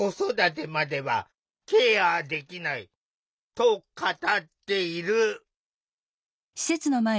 と語っている。